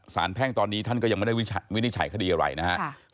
แพ่งตอนนี้ท่านก็ยังไม่ได้วินิจฉัยคดีอะไรนะครับ